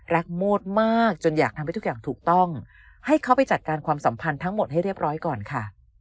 โมดมากจนอยากทำให้ทุกอย่างถูกต้องให้เขาไปจัดการความสัมพันธ์ทั้งหมดให้เรียบร้อยก่อนค่ะ